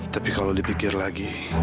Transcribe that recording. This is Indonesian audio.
tapi kalau dipikir lagi